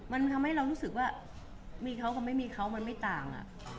มันทำให้เรารู้สึกว่ามีเขากับไม่มีเขามันไม่ต่าง